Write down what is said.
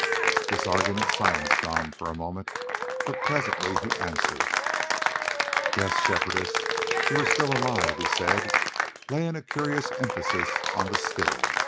This argument silenced Nam for a moment, but presently he answered. "Yes, Shepherdess, you are still alive," he said, laying a curious emphasis on the "still."